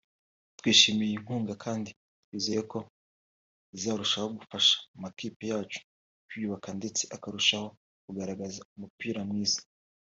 “Twishimiye iyi nkunga kandi twizeye ko izarushaho gufasha amakipe yacu kwiyubaka ndeste akarushaho kugaragaza umupira mwiza